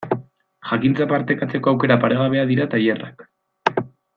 Jakintza partekatzeko aukera paregabea dira tailerrak.